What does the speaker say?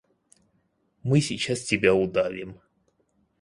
Мы сейчас тебя удавим.